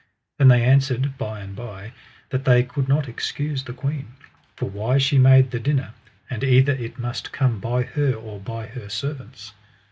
Then they answered by and by that they could not excuse the queen; for why she made the dinner, and either it must come by her or by her servants.